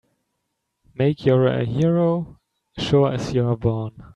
Make you're a hero sure as you're born!